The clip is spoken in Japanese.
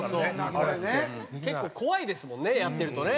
結構怖いですもんねやってるとね。